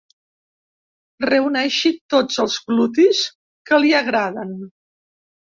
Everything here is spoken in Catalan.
Reuneixi tots els glutis que li agraden.